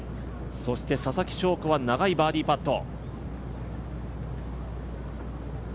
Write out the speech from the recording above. そして、ささきしょうこは長いバーディーパット。